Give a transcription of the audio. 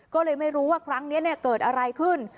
ก็เลยไม่รู้ว่าครั้งนี้เกิดอะไรขึ้น